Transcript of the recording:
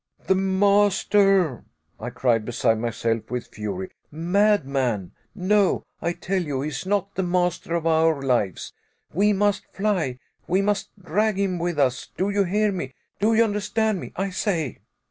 "The master!" I cried, beside myself with fury "madman! no I tell you he is not the master of our lives; we must fly! we must drag him with us! do you hear me? Do you understand me, I say?"